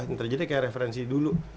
terjadi kayak referensi dulu